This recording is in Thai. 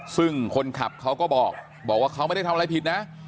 ซึ่งคนขับเขาก็บอกว่าเขาไม่ได้ทำอะไรผิดนะ